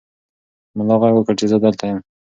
ملا غږ وکړ چې زه دلته یم.